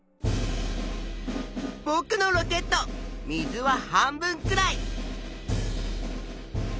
ぼくのロケット水は半分くらい。